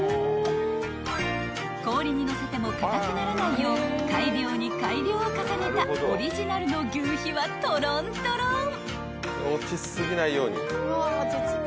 ［氷にのせても硬くならないよう改良に改良を重ねたオリジナルの求肥はとろんとろん］